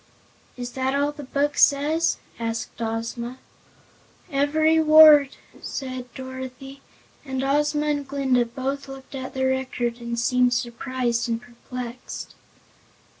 '" "Is that all the Book says?" asked Ozma. "Every word," said Dorothy, and Ozma and Glinda both looked at the Record and seemed surprised and perplexed.